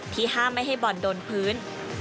ที่ห้ามให้บอลโดนพื้น